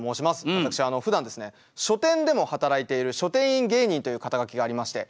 私ふだんですね書店でも働いている「書店員芸人」という肩書がありまして。